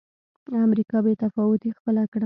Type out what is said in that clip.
امریکا بې تفاوتي خپله کړه.